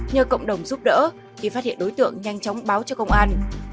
nhờ cộng đồng giúp đỡ khi phát hiện đối tượng nhanh chóng báo cho công an